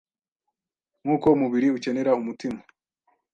Nk’uko umubiri ukenera umutima